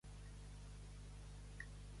Si d'altre no vols dir bé, no digues mal.